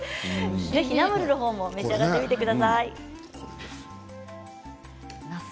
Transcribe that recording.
ナムルのほうも召し上がってみてください。